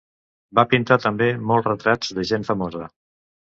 Va pintar també molts retrats de gent famosa.